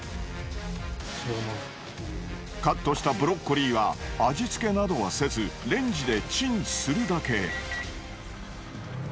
カットしたブロッコリーは味付けなどはせずレンジでチンするだけ。